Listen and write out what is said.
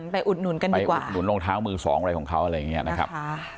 ไปอุดหนุนกันดีกว่าไปอุดหนุนรองเท้ามือ๒อะไรของเขาอะไรอย่างเงี้ยนะครับ